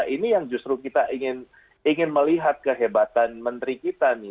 ini yang justru kita ingin melihat kehebatan menteri kita nih